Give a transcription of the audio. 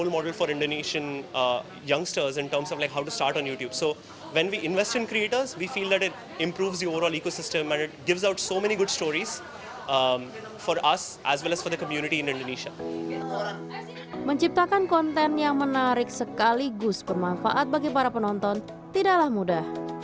menciptakan konten yang menarik sekaligus bermanfaat bagi para penonton tidaklah mudah